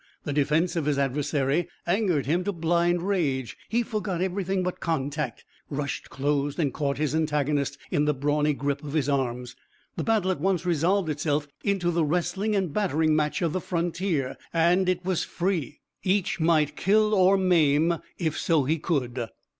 The defense of his adversary angered him to blind rage. He forgot everything but contact, rushed, closed and caught his antagonist in the brawny grip of his arms. The battle at once resolved itself into the wrestling and battering match of the frontier. And it was free! Each might kill or maim if so he could.